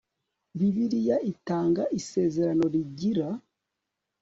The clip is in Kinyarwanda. Bibiliya itanga isezerano rigira